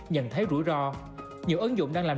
nhận thấy rủi ro nhiều ứng dụng đang làm